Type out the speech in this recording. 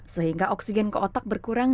sehingga oksigen ke otak berkurang